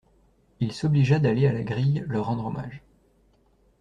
Il s'obligea d'aller à la grille leur rendre hommage.